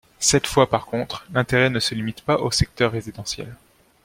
Cette fois par contre, l’intérêt ne se limite pas aux secteurs résidentiels.